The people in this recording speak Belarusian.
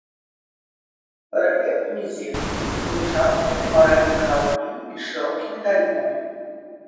Рэльеф нізінны з участкамі марэнных раўнін і шырокімі далінамі.